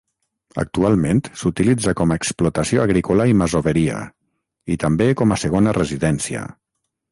Actualment s'utilitza com a explotació agrícola i masoveria, i també com a segona residència.